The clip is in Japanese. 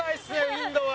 インドは。